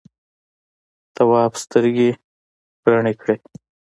تواب سترګې رڼې کړې.